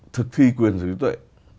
thực thi quyền chủ trí tuệ